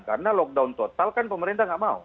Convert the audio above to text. karena lockdown total kan pemerintah